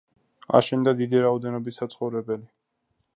აშენდა დიდი რაოდენობით საცხოვრებელი.